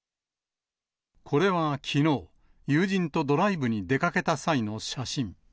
これはきのう、友人とドライブに出かけた際の写真。